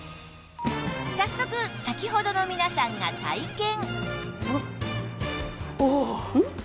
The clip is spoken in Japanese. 早速先ほどの皆さんが体験